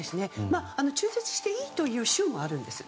中絶していいという州もあるんです。